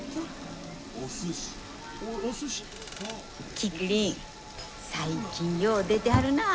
キクリン最近よう出てはるなあ